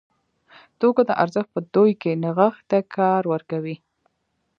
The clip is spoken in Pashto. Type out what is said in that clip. توکو ته ارزښت په دوی کې نغښتی کار ورکوي.